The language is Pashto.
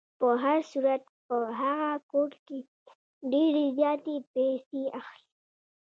په هر صورت په هغه کور کې ډېرې زیاتې پیسې اخلي.